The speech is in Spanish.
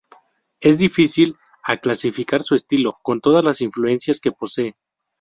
Es difícil a clasificar su estilo, con todas las influencias que posee.